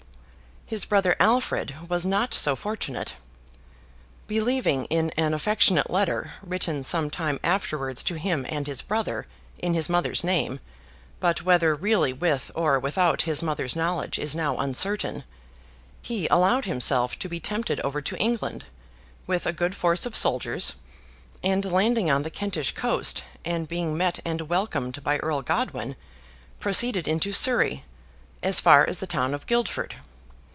His brother Alfred was not so fortunate. Believing in an affectionate letter, written some time afterwards to him and his brother, in his mother's name (but whether really with or without his mother's knowledge is now uncertain), he allowed himself to be tempted over to England, with a good force of soldiers, and landing on the Kentish coast, and being met and welcomed by Earl Godwin, proceeded into Surrey, as far as the town of Guildford.